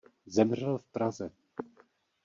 Zemřel v Praze.